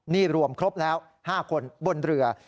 นี่รวมครบแล้ว๕คนบนเรือ